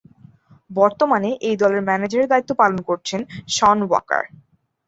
বর্তমানে এই দলের ম্যানেজারের দায়িত্ব পালন করছেন শন ওয়াকার।